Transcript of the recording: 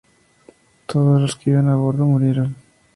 Todos los que iban a bordo murieron.